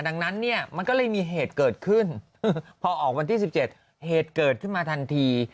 ดังนั้นเนี่ยมันก็เลยมีเหตุเกิดขึ้นพอออกวันที่๑๗เหตุเกิดขึ้นมาทันที